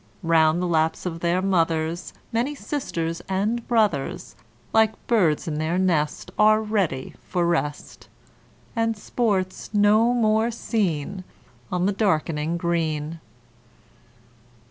Round the laps of their mothers Many sisters and brothers, Like birds in their nest, Are ready for rest, And sports no more seen On the darkening Green.